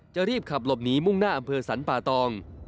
รีบขับหลบหนีมุ่งหน้าอำเภอสรรป่าตอง